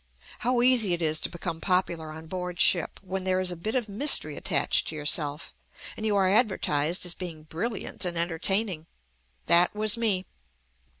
How easy it is to become popular on board ship when there is a bit of mystery attached to yourself and you are advertised as being brilliant and entertaining. That was me.